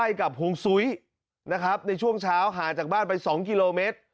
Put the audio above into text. ใกล้กับหุงสุยนะครับในช่วงเช้าหาจากบ้านไปสองกิโลเมตร